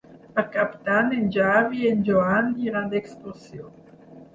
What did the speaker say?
Per Cap d'Any en Xavi i en Joan iran d'excursió.